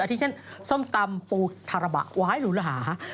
อาทิเช่นส้มตำปูทาระบะวายหรือหา